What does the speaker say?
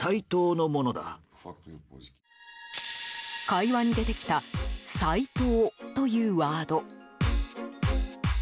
会話に出てきたＳＡＩＴＯというワード。